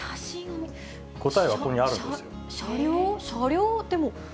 答えはここにあるんです。